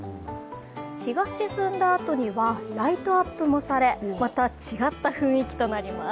日が沈んだあとにはライトアップもされ、また違った雰囲気となります。